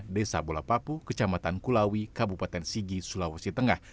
desa bola papu kecamatan kulawi kabupaten sigi sulawesi tengah